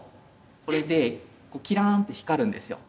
これでキランって光るんですよ。